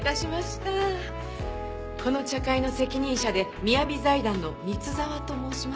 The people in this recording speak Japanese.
この茶会の責任者でみやび財団の光沢と申します。